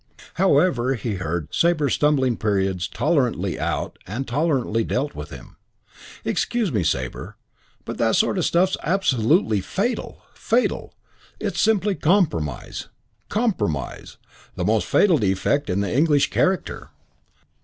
However he heard Sabre's stumbling periods tolerantly out and tolerantly dealt with him. "Excuse me, Sabre, but that sort of stuff's absolutely fatal fatal. It's simply compromise. Compromise. The most fatal defect in the English character."